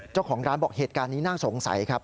เจ้าของร้านบอกเหตุการณ์นี้น่าสงสัยครับ